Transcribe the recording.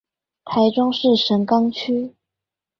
台中市神岡區